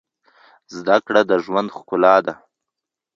زده کړه د ژوند ښکلا ده.